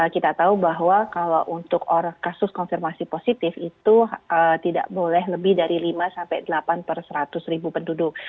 kita tahu bahwa kalau untuk kasus konfirmasi positif itu tidak boleh lebih dari lima sampai delapan per seratus ribu penduduk